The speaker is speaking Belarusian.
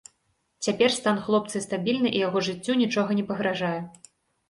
Цяпер стан хлопцы стабільны, і яго жыццю нічога не пагражае.